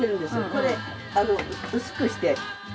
これ薄くして。